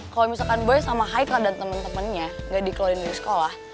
kalau misalkan boy sama haika dan temen temennya gak dikeluarin dari sekolah